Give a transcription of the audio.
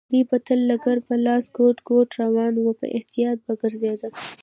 دی به تل لکړه په لاس ګوډ ګوډ روان و، په احتیاط به ګرځېده.